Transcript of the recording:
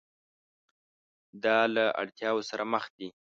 دا له اړتیاوو سره مخ دي.